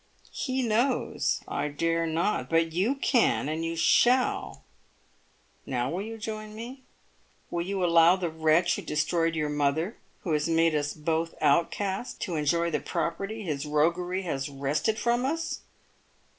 He knows I dare not. But you can, and you shall. Now will you join me ? Will you allow the wretch who destroyed your mother, who has made us both outcasts, to enjoy the property his roguery has wrested from us